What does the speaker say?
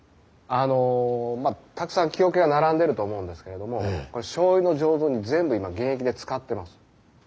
たくさん木桶が並んでると思うんですけれどもこれしょうゆの醸造に全部今現役で使ってます。